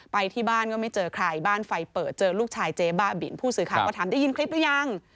ไปที่บ้านก็ไม่เจอใครบ้านไฟเปิดเจอลูกชายเจ๊บ้าบินผู้สื่อข่าวก็ถามได้ยินคลิปหรือยัง